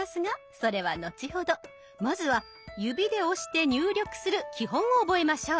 まずは指で押して入力する基本を覚えましょう。